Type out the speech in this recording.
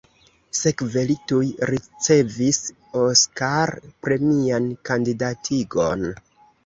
Sekve li tuj ricevis Oskar-premian kandidatigon.